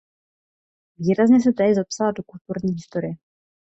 Výrazně se též zapsala do kulturní historie.